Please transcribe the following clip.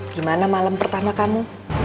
gimana malam pertama kamu